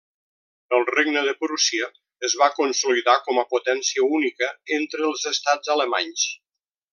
El Regne de Prússia, es va consolidar com a potència única entre els estats alemanys.